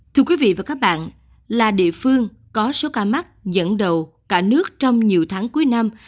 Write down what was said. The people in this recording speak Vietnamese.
thưa quý vị và các bạn là địa phương có số ca mắc dẫn đầu cả nước trong nhiều tháng cuối năm